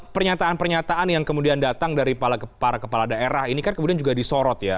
pernyataan pernyataan yang kemudian datang dari kepala daerah ini kan kemudian juga diperhatikan